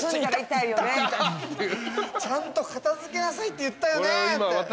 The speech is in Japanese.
ちゃんと片付けなさいって言ったよねって。